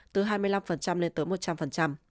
từ hai mươi năm lên tới một trăm linh